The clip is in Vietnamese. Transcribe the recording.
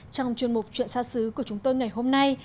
trong chuyên mục chuyện xa xứ của chúng tôi ngày hôm nay